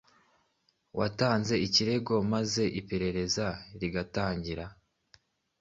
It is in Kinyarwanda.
watanze ikirego maze iperereza riratangira